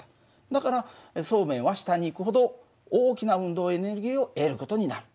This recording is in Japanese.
だからそうめんは下に行くほど大きな運動エネルギーを得る事になる。